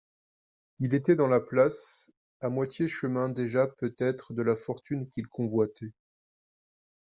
Il était dans la place, à moitié chemin déjà peut-être de la fortune qu'il convoitait.